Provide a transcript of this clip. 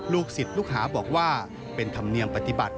ศิษย์ลูกหาบอกว่าเป็นธรรมเนียมปฏิบัติ